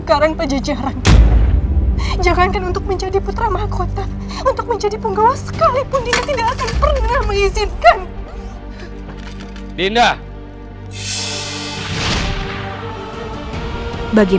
sampai jumpa lagi